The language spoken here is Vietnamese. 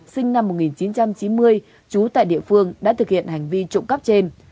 sinh năm một nghìn chín trăm chín mươi trú tại địa phương đã thực hiện hành vi trộm cắp trên